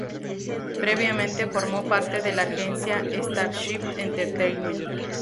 Previamente formó parte de la agencia "Starship Entertainment".